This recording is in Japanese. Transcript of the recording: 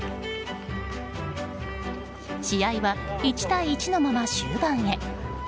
試合は１対１のまま終盤へ。